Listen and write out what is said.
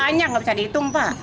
banyak nggak bisa dihitung pak